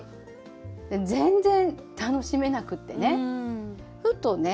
で全然楽しめなくってねふとね